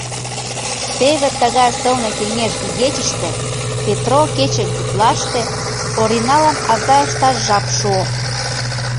Теве тыгай сылне кеҥеж игечыште, Петро кече гутлаште, Ориналан аза ышташ жап шуо.